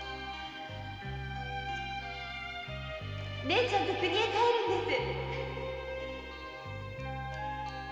姉ちゃんと国へ帰るんです